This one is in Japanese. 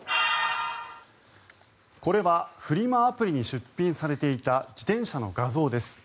これはフリマアプリに出品されていた自転車の画像です。